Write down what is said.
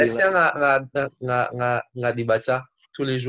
esnya gak dibaca tulejur